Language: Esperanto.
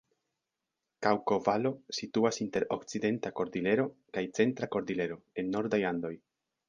Kaŭko-Valo situas inter Okcidenta Kordilero kaj Centra Kordilero en nordaj Andoj.